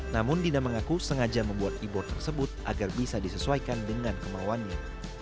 namun dina mengaku sengaja membuat e board tersebut agar bisa disesuaikan dengan kemauannya